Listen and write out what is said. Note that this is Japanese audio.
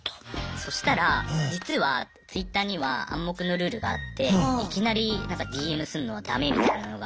そしたら実はＴｗｉｔｔｅｒには暗黙のルールがあっていきなり何かＤＭすんのはダメみたいなのが。